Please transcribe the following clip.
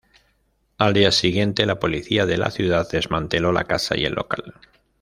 Al día siguiente, la policía de la ciudad desmanteló la casa y el local.